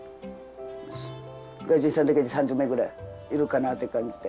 外人さんだけで３０名ぐらいいるかなって感じで。